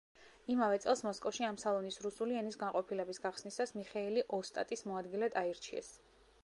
იმავე წელს, მოსკოვში, ამ სალონის რუსული ენის განყოფილების გახსნისას მიხეილი ოსტატის მოადგილედ აირჩიეს.